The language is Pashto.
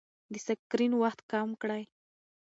د سکرین وخت کم کړئ.